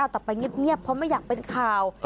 แต่ไปเงียบเพราะไม่อยากเป็นข่าว